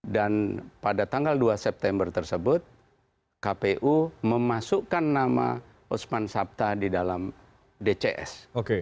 dan pada tanggal dua september tersebut kpu memasukkan nama osman sabta di dalam dcs